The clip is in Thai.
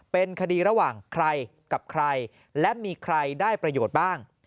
เป็นคดีระหว่างใครกับใครและมีใครได้ประโยชน์บ้าง